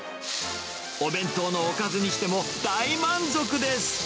お弁当のおかずにしても大満足です。